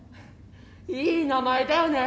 いい名前だよね。